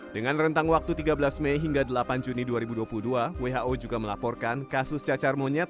dengan rentang waktu tiga belas mei hingga delapan juni dua ribu dua puluh dua who juga melaporkan kasus cacar monyet